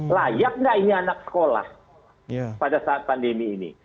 layak nggak ini anak sekolah pada saat pandemi ini